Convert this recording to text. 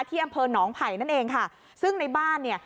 ที่อำเภอหนองไผ่นั่นเองค่ะซึ่งในบ้านเนี่ย